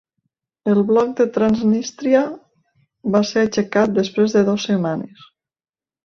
El bloc de Transnístria va ser aixecat després de dues setmanes.